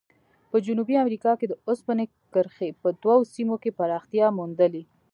په جنوبي امریکا کې د اوسپنې کرښې په دوو سیمو کې پراختیا موندلې.